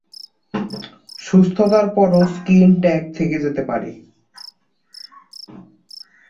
সুস্থতার পরও skin tag থেকে যেতে পারে।